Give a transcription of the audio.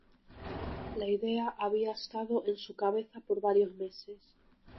La idea había estado en su cabeza por varios meses.